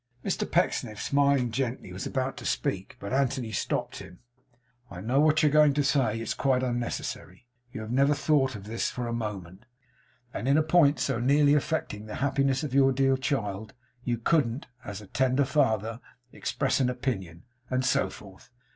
Mr Pecksniff, smiling gently, was about to speak, but Anthony stopped him. 'I know what you are going to say. It's quite unnecessary. You have never thought of this for a moment; and in a point so nearly affecting the happiness of your dear child, you couldn't, as a tender father, express an opinion; and so forth.